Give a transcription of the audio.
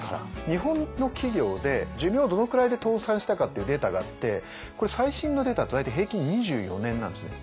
日本の企業で寿命どのくらいで倒産したかっていうデータがあってこれ最新のデータだと大体平均２４年なんですね。